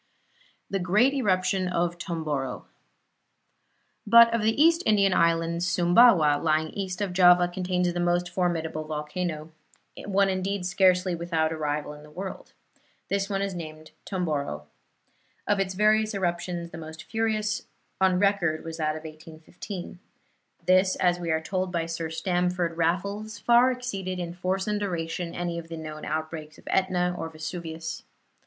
THE GREAT ERUPTION OF TOMBORO But of the East Indian Islands Sumbawa, lying east of Java, contains the most formidable volcano one indeed scarcely without a rival in the world. This is named Tomboro. Of its various eruptions the most furious on record was that of 1815. This, as we are told by Sir Stamford Raffles, far exceeded in force and duration any of the known outbreaks of Etna or Vesuvius.